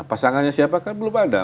pasangannya siapa kan belum ada